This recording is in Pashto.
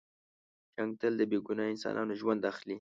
جنګ تل د بې ګناه انسانانو ژوند اخلي.